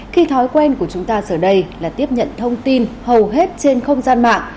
khi thói quen của chúng ta giờ đây là tiếp nhận thông tin hầu hết trên không gian mạng